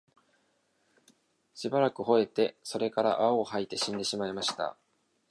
しばらく吠って、それから泡を吐いて死んでしまいました